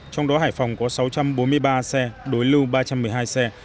trong đó hải phòng có sáu trăm bốn mươi ba xe đối lưu ba trăm một mươi hai xe